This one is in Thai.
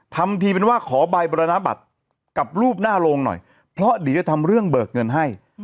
ทำทีเป็นว่าขอใบบรรณบัตรกับรูปหน้าโรงหน่อยเพราะเดี๋ยวจะทำเรื่องเบิกเงินให้